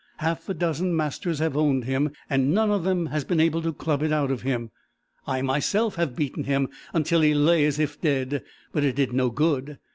Half a dozen masters have owned him, and none of them has been able to club it out of him. I, myself, have beaten him until he lay as if dead, but it did no good.